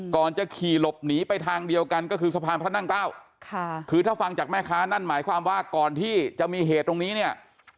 ก่อนจะขี่หลบหนีไปทางเดียวกันก็คือสะพานพระนั่งเก้าค่ะคือถ้าฟังจากแม่ค้านั่นหมายความว่าก่อนที่จะมีเหตุตรงนี้เนี่ย